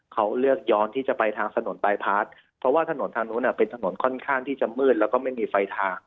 เขาเลือกย้อนที่จะไปทางถนนบายพาร์ทเพราะว่าถนนทางนู้นเป็นถนนค่อนข้างที่จะมืดแล้วก็ไม่มีไฟทาง